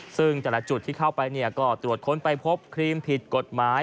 ซึ่งแต่ละจุดที่เข้าไปก็ตรวจค้นไปพบครีมผิดกฎหมาย